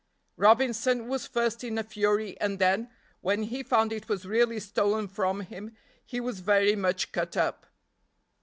Robinson was first in a fury and then, when he found it was really stolen from him, he was very much cut up.